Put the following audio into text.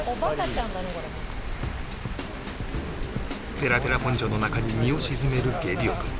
ペラペラポンチョの中に身を沈めるゲビオ君